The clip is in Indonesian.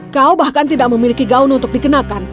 kau bahkan tidak memiliki gaun untuk dikenakan